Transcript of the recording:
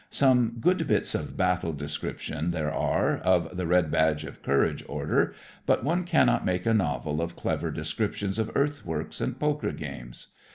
Some good bits of battle descriptions there are, of the "Red Badge of Courage" order, but one cannot make a novel of clever descriptions of earthworks and poker games.